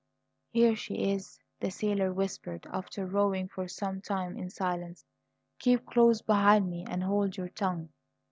"Here she is," the sailor whispered, after rowing for some time in silence. "Keep close behind me and hold your tongue."